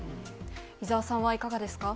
伊沢さんはいかがですか。